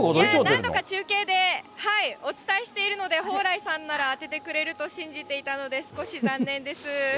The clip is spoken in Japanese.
何度か中継でお伝えしているので、蓬莱さんなら当ててくれると信じていたので、少し残念です。